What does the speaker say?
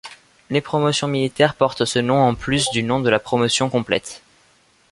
Les promotions militaires portent ce nom en plus du nom de la promotion complète.